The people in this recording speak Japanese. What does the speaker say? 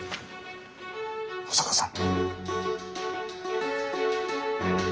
保坂さん。